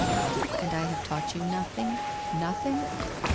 ' And I have taught you nothing — nothing